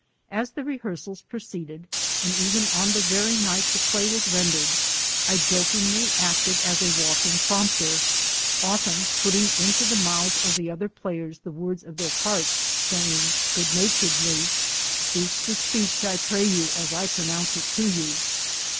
As the rehearsals proceeded, and even on the very night the play was rendered, I jokingly acted as walking prompter, often putting into the mouths of the other players the words of their parts, saying good naturedly: "Speak the speech I pray you as I pronounce it to you."